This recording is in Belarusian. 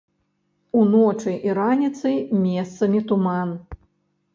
Уночы і раніцай месцамі туман.